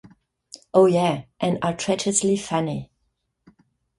Oh yeah, and outrageously funny.